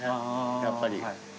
やっぱり。